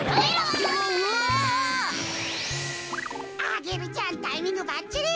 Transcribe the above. アゲルちゃんタイミングばっちり。